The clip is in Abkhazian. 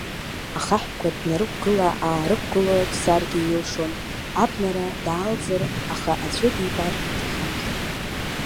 Ахаҳәқәа днарықәгыла-аарықәгыло дцаргьы илшон, абнара даалҵыр, аха аӡәы дибар иҭахымызт.